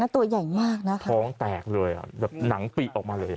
ตัวใหญ่มากนะท้องแตกเลยแบบหนังปิออกมาเลย